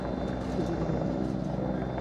তুমি কিছুই করোনি!